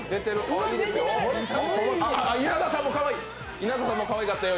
稲田さんもかわいかったよ